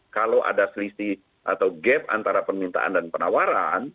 kalau ada selisih atau gap antara permintaan dan penawaran